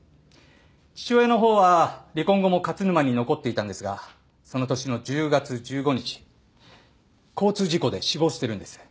父親のほうは離婚後も勝沼に残っていたんですがその年の１０月１５日交通事故で死亡してるんです。